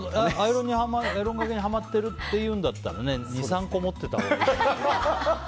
アイロンがけにハマってるんだったら２３個持ってたほうがいい。